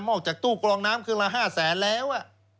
องค์จากตู้กลองน้ำเกินละห้าแสนแล้ว